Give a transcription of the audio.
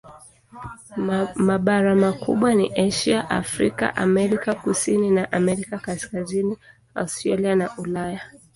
Mabara makubwa ni Asia, Afrika, Amerika Kusini na Amerika Kaskazini, Australia na Ulaya.